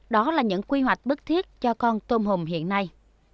đó là những quy hoạch bức thiết cho con tôm hùm hiện nay